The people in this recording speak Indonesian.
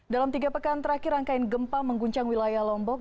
dalam tiga pekan terakhir rangkaian gempa mengguncang wilayah lombok